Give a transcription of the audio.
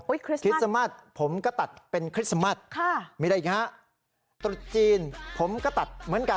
คริสต์คริสต์มัสผมก็ตัดเป็นคริสต์มัสไม่ได้อีกฮะตรุษจีนผมก็ตัดเหมือนกัน